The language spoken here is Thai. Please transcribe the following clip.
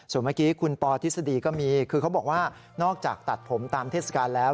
ส่วนเมื่อกี้คุณปอทฤษฎีก็มีคือเขาบอกว่านอกจากตัดผมตามเทศกาลแล้ว